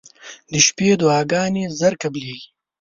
• د شپې دعاګانې زر قبلېږي.